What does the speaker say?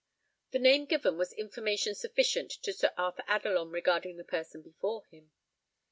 The name given was information sufficient to Sir Arthur Adelon regarding the person before him.